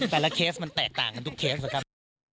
เคสมันแตกต่างกันทุกเคสนะครับ